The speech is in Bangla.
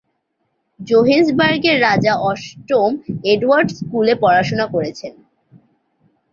জোহেন্সবার্গের রাজা অষ্টম এডওয়ার্ড স্কুলে পড়াশোনা করেছেন।